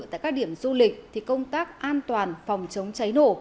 tại các điểm du lịch thì công tác an toàn phòng chống cháy nổ